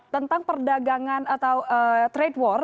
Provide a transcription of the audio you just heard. tentang perdagangan atau trade war